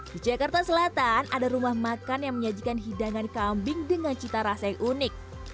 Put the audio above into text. di jakarta selatan ada rumah makan yang menyajikan hidangan kambing dengan cita rasa yang unik